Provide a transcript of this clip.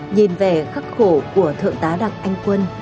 nhìn về khắc khổ của thượng tá đặng anh quân